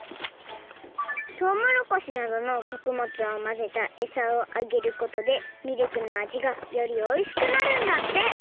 トウモロコシなどのこくもつをまぜたエサをあげることでミルクのあじがよりおいしくなるんだって！